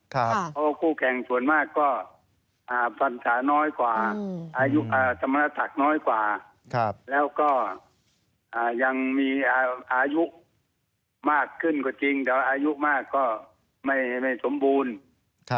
เพราะว่าผู้แข่งบันสาติน้อยกว่าอายุสมรสักษณ์น้อยกว่าแล้วก็ยังมีอายุมากขึ้นกว่าจริงอายุมากก็ไม่สมบูรณ์